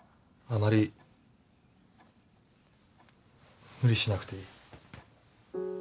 あまり無理しなくていい。